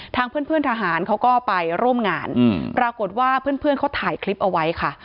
ทางเพื่อนทหารเขาก็ไปร่วมงานปรากฏว่าเพื่อนเขาถ่ายคลิปเอาไว้ค่ะ